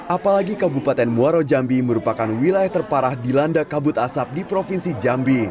apalagi kabupaten muarajambi merupakan wilayah terparah di landa kabut asap di provinsi jambi